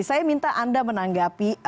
saya minta anda menanggapi